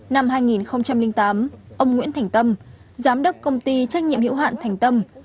năm hai nghìn tám ông nguyễn thành tâm giám đốc công ty trách nhiệm hiệu hạn thành tâm